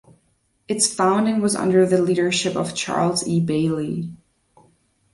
Its founding was under the leadership of Charles E. Bailey.